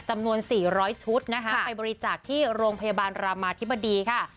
จำนวน๔๐๐ชุดนะคะไปบริจาคที่โรงพยาบาลรามาธิบดีค่ะ